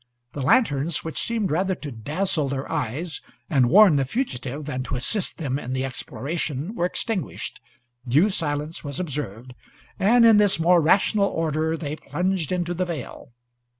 The lanterns, which seemed rather to dazzle their eyes and warn the fugitive than to assist them in the exploration, were extinguished, due silence was observed, and in this more rational order they plunged into the vale.